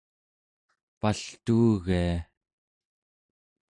paltuugia